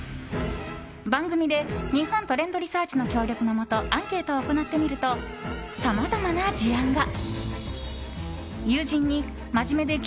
番組で日本トレンドリサーチの協力のもとアンケートを行ってみるとさまざまな事案が。